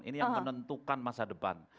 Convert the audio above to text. ini yang menentukan masa depan